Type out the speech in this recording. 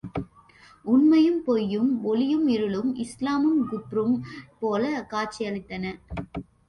உண்மையும் பொய்யும், ஒளியும் இருளும், இஸ்லாமும் குப்ரும் போலக் காட்சி அளித்தன!